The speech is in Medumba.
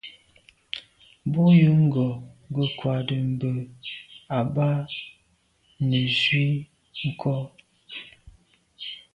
Bú jə́ ŋgɔ́ gə́ kwáàdə́ mbə̄ à bá nə̀ zwí ŋkɔ́.